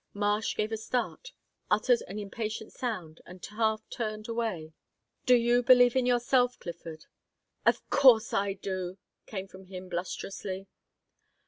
Marsh gave a start, uttered an impatient sound, and half turned away. "Do you believe in yourself, Clifford?" "Of course I do!" came from him blusterously.